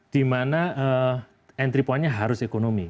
di mana entry pointnya harus ekonomi